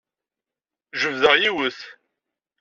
Jebdeɣ yiwet.